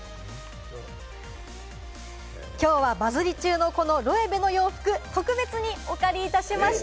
今日はバズり中の、このロエベの洋服、特別にお借りいたしました。